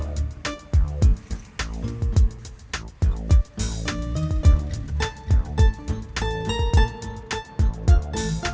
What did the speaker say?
ya yang kecil gorengan